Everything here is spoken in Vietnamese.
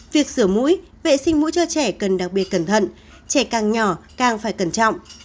việc sửa mũi vệ sinh mũi cho trẻ cần đặc biệt cẩn thận trẻ càng nhỏ càng phải cẩn trọng